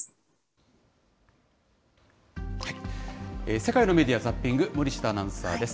世界のメディア・ザッピング、森下アナウンサーです。